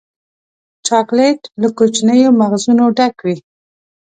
چاکلېټ له کوچنیو مغزونو ډک وي.